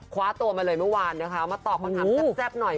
คว้าตัวมาเลยเมื่อวานนะคะมาตอบคำถามแซ่บหน่อย